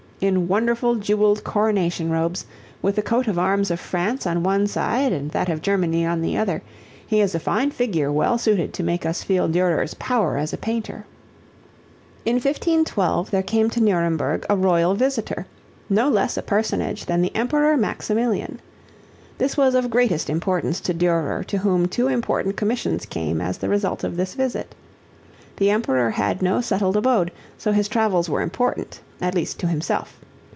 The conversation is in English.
In wonderful jeweled coronation robes, with the coat of arms of France on one side and that of Germany on the other, he is a fine figure well suited to make us feel Durer's power as a painter. [Illustration: CHARLEMAGNE Durer] In 1512, there came to Nuremberg a royal visitor, no less a personage than the Emperor Maximilian. This was of greatest importance to Durer to whom two important commissions came as the result of this visit. The Emperor had no settled abode, so his travels were important, at least to himself.